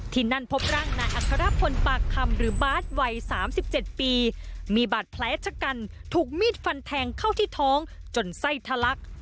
ที่นั่นพบร่างนายอัครพลปากคำหรือบาสวัย๓๗ปีมีบาดแผลชะกันถูกมีดฟันแทงเข้าที่ท้องจนไส้ทะลัก